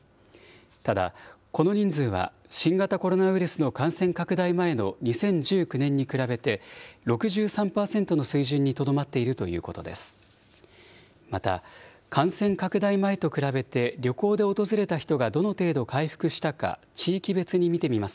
ただ、この人数は、新型コロナウイルスの感染拡大前の２０１９年に比べて、６３％の水準にとどまっているということです。